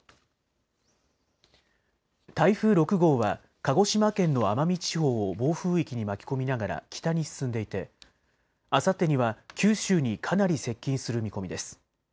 台風６号は鹿児島県の奄美地方を暴風域に巻き込みながら北に進んでいてあさってには九州にかなり接近する見込みです。